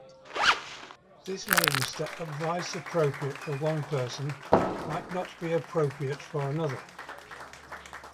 This means that advice appropriate for one person might not be appropriate for another.